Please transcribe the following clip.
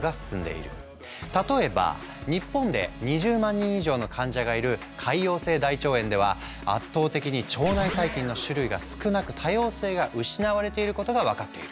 例えば日本で２０万人以上の患者がいる潰瘍性大腸炎では圧倒的に腸内細菌の種類が少なく多様性が失われていることが分かっている。